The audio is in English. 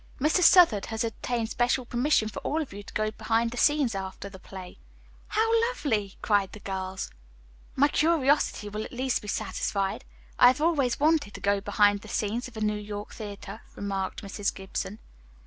"Mr. Southard has obtained special permission for all of you to go behind the scenes after the play." "How lovely!" cried the girls. "My curiosity will at last be satisfied. I have always wanted to go behind the scenes of a New York theatre," remarked Mrs. Gibson.